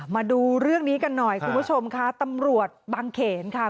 มาดูเรื่องนี้กันหน่อยคุณผู้ชมค่ะตำรวจบางเขนค่ะ